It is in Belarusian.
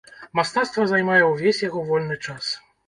Мастацтва займае ўвесь яго вольны час.